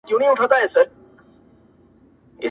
په دغه خپل وطن كي خپل ورورك.